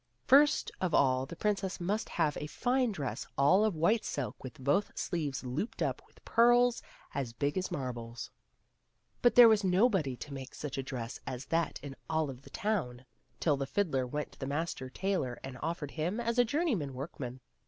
First of all the princess must have a fine dress all of white silk with both sleeves looped up with pearls as big as marbles. But there was nobody to make such a dress as that in all of the town, till the fiddler went to the master tailor and offered himself as a journeyman workman.